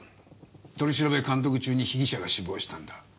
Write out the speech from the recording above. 取り調べ監督中に被疑者が死亡したんだ。